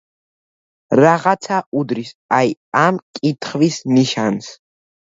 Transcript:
რაღაცა უდრის აი ამ კითხვის ნიშანს.